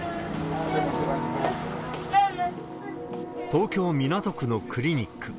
東京・港区のクリニック。